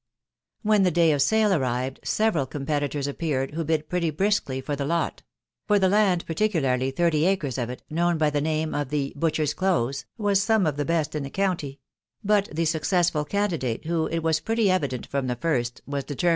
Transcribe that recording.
When the day of sale arrived, several competitors appeared who bid pretty briskly for the lot ; for the land, particularly thirty acres of H, known by the name of " the butcher's close,," was some of the best in the comity ; but the successful candi date, who, it was pretty evident from the first, was determine!